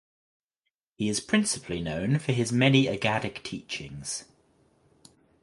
He is principally known for his many aggadic teachings.